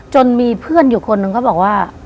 จนมีเพื่อนอยู่คนหนึ่งเขาบอกว่า